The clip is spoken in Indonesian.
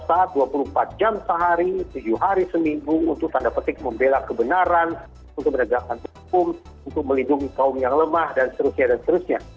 personil diaksesikan selalu setiap saat dua puluh empat jam sehari tujuh hari seminggu untuk tanda petik membela kebenaran untuk menegakkan hukum untuk melindungi kaum yang lemah dan seterusnya